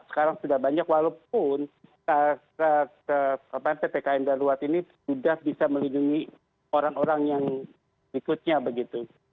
sekarang sudah banyak walaupun ppkm darurat ini sudah bisa melindungi orang orang yang berikutnya begitu